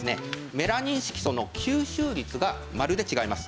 メラニン色素の吸収率がまるで違います。